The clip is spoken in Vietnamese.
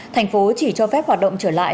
thành phố chỉ cho phép hoạt động trở lại